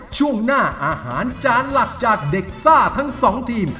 ช่วงหน้าอาหารจานหลักจากเด็กซ่าทั้งสองทีม